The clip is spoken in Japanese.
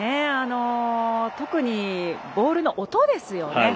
特にボールの音ですよね。